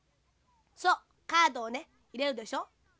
そうカードをねいれるでしょ。